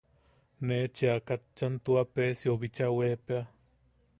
Ne cheʼa katchan tua Peesiou bicha weepea.